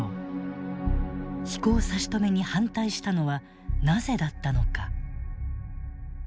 飛行差し止めに反対したのはなぜだったのか。